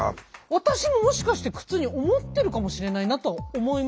私ももしかして苦痛に思ってるかもしれないなと思いました。